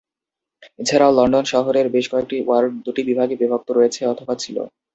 এছাড়াও লন্ডন শহরের বেশ কয়েকটি ওয়ার্ড দুটি বিভাগে বিভক্ত রয়েছে অথবা ছিল।